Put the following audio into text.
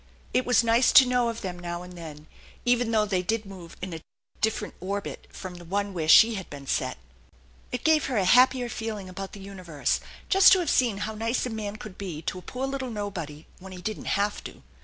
It was nice to know of them notf and then, even though they did move in a different orbit from the one where she had been set. It gave her a happier feeling about the universe just to have seen how nice a man could be to a poor little nobody when he didn't have to.